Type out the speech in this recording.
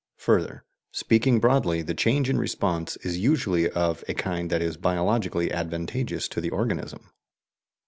Further, speaking broadly, the change in response is usually of a kind that is biologically advantageous to the organism.